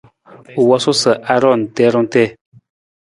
U wosu sa ng roon na tarung tii.